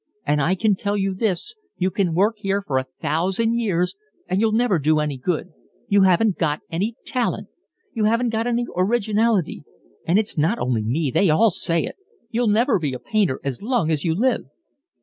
And I can tell you this—you can work here for a thousand years and you'll never do any good. You haven't got any talent. You haven't got any originality. And it's not only me—they all say it. You'll never be a painter as long as you live."